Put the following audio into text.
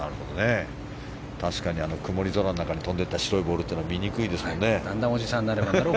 確かに曇り空の中に飛んで行った白いボールは見にくいですよね。